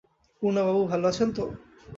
পূর্ণবাবু, ভালো আছেন তো?